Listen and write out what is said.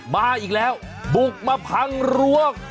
มาอีกแล้วบุกมาพังรั้ว